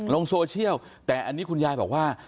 ลงโซเชียลแต่อันนี้คุณยายบอกว่า